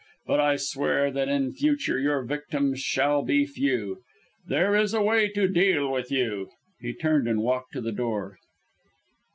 But I swear that in future your victims shall be few. There is a way to deal with you!" He turned and walked to the door.